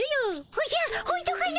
おじゃほんとかの？